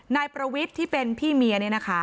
นายประวิทย์ที่เป็นพี่เมีย